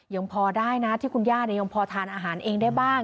ยังพอได้นะที่คุณย่ายังพอทานอาหารเองได้บ้าง